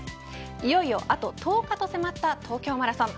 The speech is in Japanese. いよいよあと１０日と迫った東京マラソン。